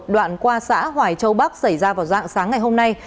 đoạn qua xã hoài châu bắc xảy ra vào dạng sáng ngày hôm nay